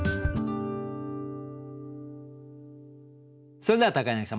それでは柳さん